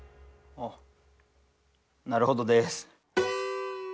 あなるほどです。